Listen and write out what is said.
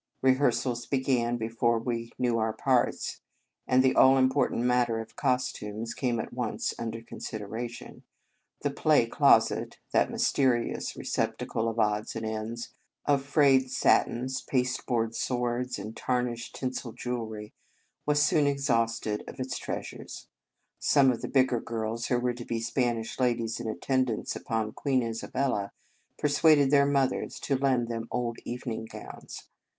Rehearsals began before we knew our parts, and the all important matter of costumes came at once un der consideration. The "play closet," that mysterious receptacle of odds and ends, of frayed satins, pasteboard swords, and tarnished tinsel jewelry, was soon exhausted of its treasures. Some of the bigger girls, who were to be Spanish ladies in attendance upon Queen Isabella, persuaded their mothers to lend them old evening gowns.